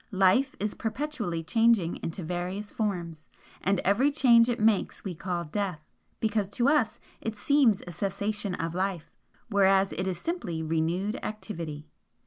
Life is perpetually changing into various forms, and every change it makes we call 'death' because to us it seems a cessation of life, whereas it is simply renewed activity.